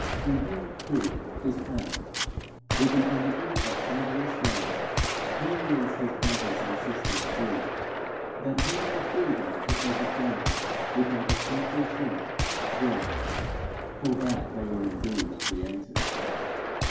In him too it is pain. With the energy of tenderest love he wills his brothers and sisters free, that he may fill them to overflowing with that essential thing, joy. For that they were indeed created.